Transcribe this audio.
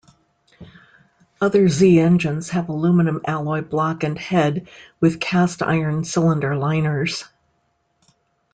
Other Z engines have aluminum alloy block and head, with cast-iron cylinder liners.